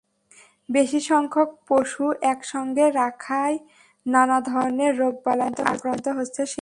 বেশি সংখ্যক পশু একসঙ্গে রাখায় নানা ধরনের রোগবালাইয়ে আক্রান্ত হচ্ছে সেগুলো।